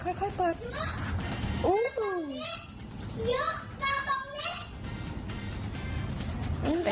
ตรงนี้ยุ้กกลางตรงนี้